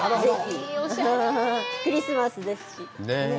クリスマスですしね。